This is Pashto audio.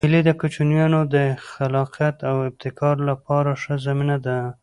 مېلې د کوچنيانو د خلاقیت او ابتکار له پاره ښه زمینه ده.